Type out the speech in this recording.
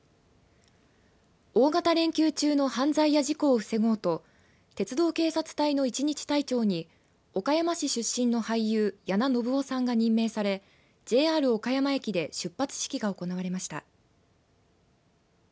大型連休中の犯罪や事故を防ごうと鉄道警察隊の一日隊長に岡山市出身の俳優八名信夫さんが任命されＪＲ岡山駅で出発式が行われました。